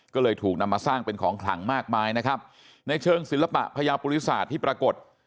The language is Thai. ก็เลยถูกนำมาสร้างเป็นของขลังมากมายนะครับในเชิงศิลปะพญาปุริศาสตร์ที่ปรากฏ